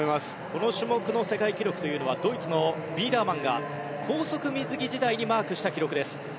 この種目の世界記録というのはドイツのビーダーマンが高速水着時代にマークした記録です。